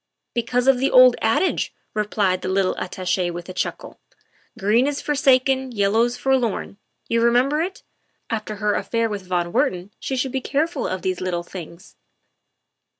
" Because of the old adage," replied the little Attache with a chuckle, "' green is forsaken, yellow's forlorn' you remember it? After her affair with von Wertman she should be careful about those little things."